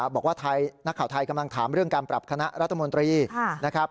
บอกว่านักข่าวไทยกำลังถามเรื่องการปรับคณะรัฐมนตรีนะครับ